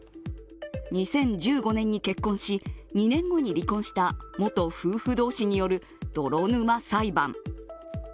２０１５年に結婚し、２年後に離婚した元夫婦同士による泥沼裁判。